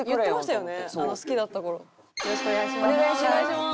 よろしくお願いします。